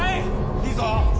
いいぞ。